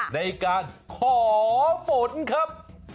ในการขอฝนครับ